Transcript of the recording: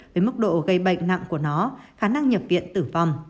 với mức độ gây bệnh nặng của nó khả năng nhập viện tử vong